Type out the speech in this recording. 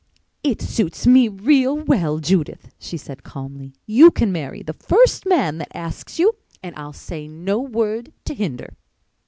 "It suits me real well, Judith," she said calmly, "you can marry the first man that asks you and I'll say no word to hinder."